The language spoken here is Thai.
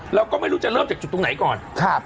เราก็ไม่รู้จะเริ่มจากจุดตรงไหนก่อน